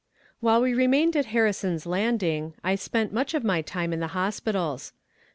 While we remained at Harrison's Landing I spent much of my time in the hospitals.